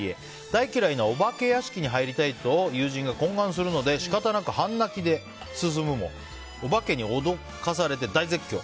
大嫌いなお化け屋敷に入りたいと友人が懇願するので仕方なく半泣きで進むもお化けに脅かされて大絶叫。